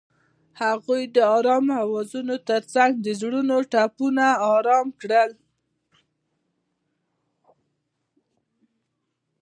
هغې د آرام اوازونو ترڅنګ د زړونو ټپونه آرام کړل.